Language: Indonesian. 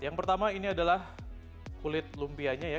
yang pertama ini adalah kulit lumpianya ya